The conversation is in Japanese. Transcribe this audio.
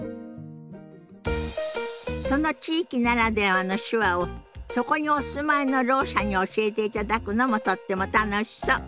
その地域ならではの手話をそこにお住まいのろう者に教えていただくのもとっても楽しそう。